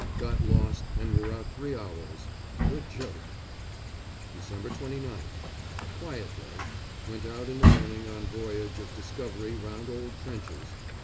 Got lost, and were out three hours. Good joke. Dec. 29th. Quiet day. Went out in the morning on voyage of discovery round old trenches.